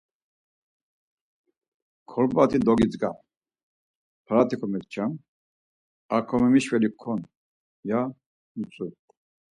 Korbati dogidzğam, parati komekçam, ar komemişveliǩon ya mitzu.